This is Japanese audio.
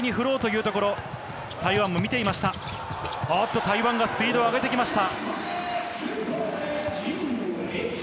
ちょっと台湾がスピードを上げてきました。